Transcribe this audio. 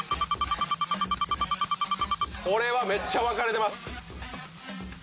これはめっちゃ分かれてます。